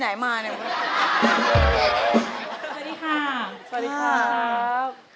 หน้าแม่หน้าพ่อ